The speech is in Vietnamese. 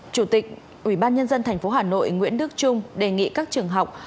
chủ tịch ubnd tp hà nội nguyễn đức trung đề nghị các trường học